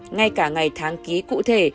ngay cả ngày tháng ký cụ thể